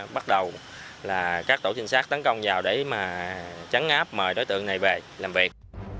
bắt đầu là các tổ trinh sát tấn công vào để mà trắng áp mời đối tượng này về làm việc